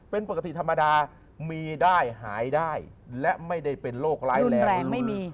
เป็นปกติธรรมดามีได้หายได้และไม่ได้เป็นโรคร้ายแรงที่ลูกมี